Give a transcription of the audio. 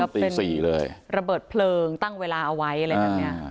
เหมือนกับเป็นระเบิดเพลิงตั้งเวลาเอาไว้อะไรแบบนี้